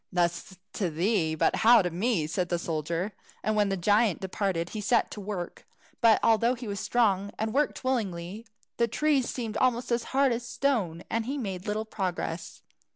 "Thus to thee, but how to me?" said the soldier; and when the giant departed he set to work. But although he was so strong, and worked willingly, the trees seemed almost as hard as stone, and he made little progress.